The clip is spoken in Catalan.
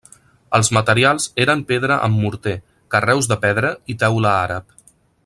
Els materials eren pedra amb morter, carreus de pedra i teula àrab.